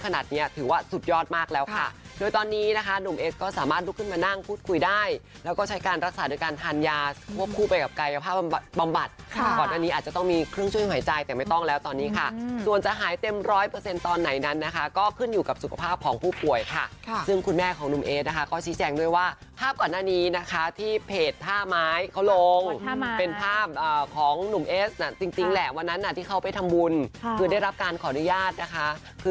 เนี่ยคุณหมอบอกว่าจากภาวะผู้ป่วยวิกฤตในวันนั้นคุณหมอบอกว่าจากภาวะผู้ป่วยวิกฤตในวันนั้นคุณหมอบอกว่าจากภาวะผู้ป่วยวิกฤตในวันนั้นคุณหมอบอกว่าจากภาวะผู้ป่วยวิกฤตในวันนั้นคุณหมอบอกว่าจากภาวะผู้ป่วยวิกฤตในวันนั้นคุณหมอบอกว่าจากภาวะผู้ป่วยวิกฤตในวันนั้นค